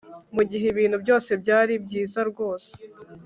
mugihe ibintu byose byari byiza rwose